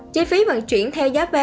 chi phí vận chuyển theo giá vé